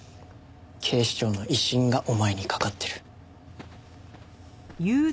警視庁の威信がお前にかかってる。